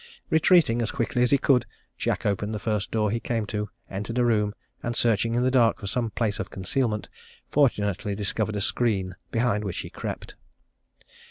Retreating as quickly as he could, Jack opened the first door he came to, entered a room, and searching in the dark for some place of concealment, fortunately discovered a screen, behind which he crept."